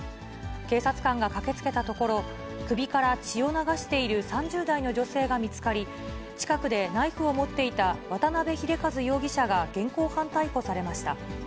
警察官が駆けつけたところ、首から血を流している３０代の女性が見つかり、近くでナイフを持っていた渡辺秀一容疑者が現行犯逮捕されました。